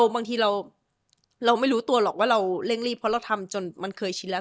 บางทีเราไม่รู้ตัวหรอกว่าเราเร่งรีบเพราะเราทำจนมันเคยชินแล้ว